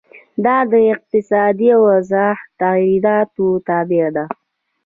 دا د اقتصادي اوضاع د تغیراتو تابع ده.